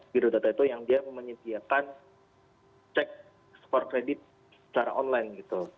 biro data itu yang dia menyediakan cek skor kredit secara online gitu